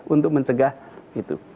untuk mencegah itu